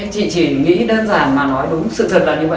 chị chỉ nghĩ đơn giản mà nói đúng sự thật là như vậy